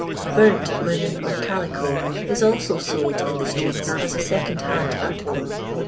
Din nC linen or calico is also sold in the streets as a second hand article.